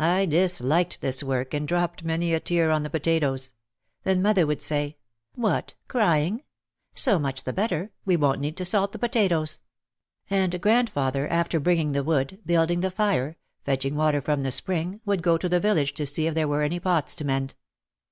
I disliked this work and dropped many a tear on the potatoes. Then mother would say, "What, crying? So much the better, we won't need to salt the 24 OUT OF THE SHADOW potatoes." And grandfather, after bringing the wood, building the fire, fetching water from the spring, would go to the village to see if there were any pots to mend.